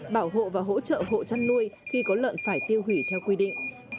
bảo hộ và hỗ trợ hộ chăn nuôi khi có lợn phải tiêu hủy theo quy định